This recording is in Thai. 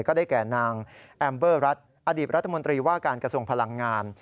ก็ได้แก่นางแอมเบอร์รัฐอดีตรัฐมนตรีว่าการกระทรวงพลังงาน